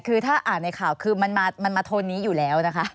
คือถ้าอ่านในข่าวคือมันมาโทนนี้อยู่แล้วนะคะ